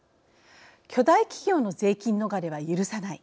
巨大企業の税金逃れは許さない。